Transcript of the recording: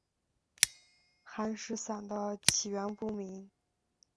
寒食散的起源不明。